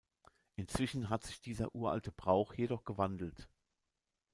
Inzwischen hat sich dieser uralte Brauch jedoch gewandelt.